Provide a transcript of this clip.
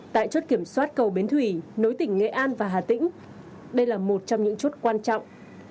tại chốt kiểm soát cầu bến thủy nối tỉnh nghệ an và hà tĩnh đây là một trong những chốt quan trọng